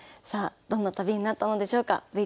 さあどんな旅になったのでしょうか。